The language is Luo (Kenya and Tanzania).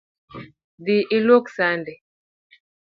Dhi luok sande